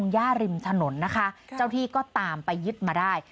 ย่าริมถนนนะคะเจ้าที่ก็ตามไปยึดมาได้